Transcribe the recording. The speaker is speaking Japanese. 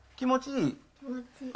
気持ちいい。